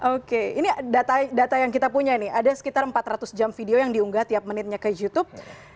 oke ini data yang kita punya nih ada sekitar empat ratus jam video yang diunggah tiap menitnya ke youtube